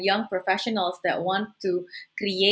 para profesional muda dan muda yang ingin